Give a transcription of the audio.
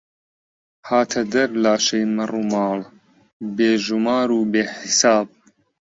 هاتە دەر لاشەی مەڕوماڵ، بێ ژومار و بێ حیساب